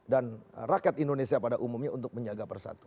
dan rakyat indonesia pada umumnya untuk menjaga persatuan